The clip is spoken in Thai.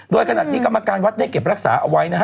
โดยขณะนี้กรรมการวัดได้เก็บรักษาเอาไว้นะฮะ